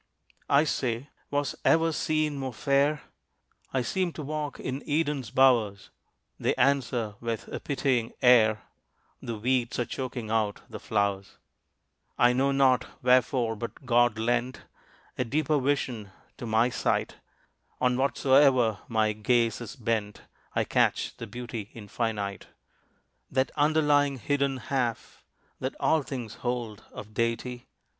I say, "Was ever scene more fair? I seem to walk in Eden's bowers." They answer with a pitying air, "The weeds are choking out the flowers." I know not wherefore, but God lent A deeper vision to my sight. On whatsoe'er my gaze is bent I catch the beauty Infinite; That underlying, hidden half That all things hold of Deity.